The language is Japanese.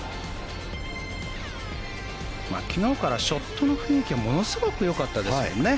昨日からショットの雰囲気がものすごく良かったですよね。